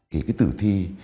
cái từ thi